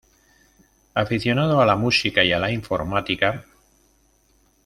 Aficionado a la música y a la informática.